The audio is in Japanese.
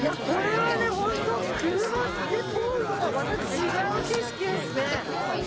これは本当、車で通るのとはまた違う景色ですね！